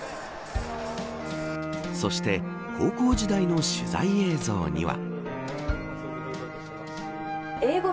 そして高校時代の取材映像には。